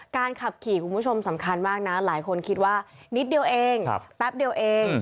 ขับขี่คุณผู้ชมสำคัญมากนะหลายคนคิดว่านิดเดียวเองแป๊บเดียวเอง